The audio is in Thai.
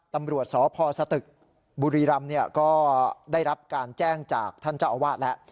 ตำรวจสพสตึกบุรีรำก็ได้รับการแจ้งจากท่านเจ้าอาวาสแล้ว